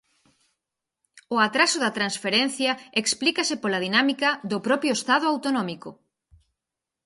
O atraso da transferencia explícase pola dinámica do propio Estado autonómico.